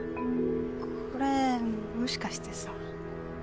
これもしかしてさ。